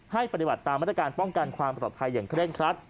ปฏิบัติตามมาตรการป้องกันความปลอดภัยอย่างเคร่งครัด